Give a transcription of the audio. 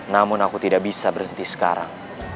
namun aku tidak bisa berhenti sekarang